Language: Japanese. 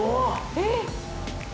えっ！